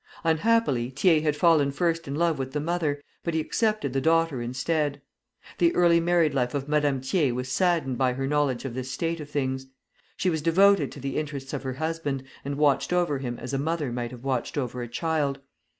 Unhappily Thiers had fallen first in love with the mother; but he accepted the daughter instead. The early married life of Madame Thiers was saddened by her knowledge of this state of things. She was devoted to the interests of her husband, and watched over him as a mother might have watched over a child.